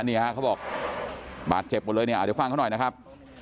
นี่ฮะเขาบอกบาดเจ็บหมดเลยเนี่ยเดี๋ยวฟังเขาหน่อยนะครับ